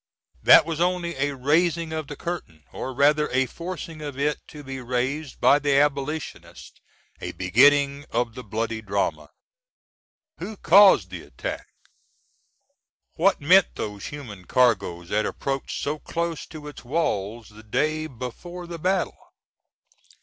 That was only a raising of the curtain, or rather a forcing of it to be raised by the Abolitionists a beginning of the bloody drama. Who caused the attack? What meant those human cargoes that approached so close to its walls the day before the battle?